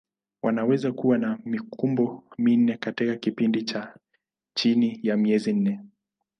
Wanaweza kuwa na mikumbo minne katika kipindi cha chini ya miezi minne.